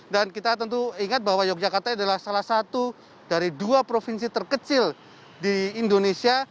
kita tentu ingat bahwa yogyakarta adalah salah satu dari dua provinsi terkecil di indonesia